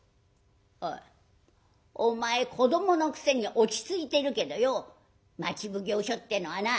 「おいお前子どものくせに落ち着いてるけどよ町奉行所ってのはな